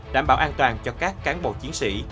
đảm bảo an toàn cho các cán bộ chiến sĩ